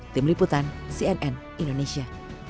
tim liputan cnn indonesia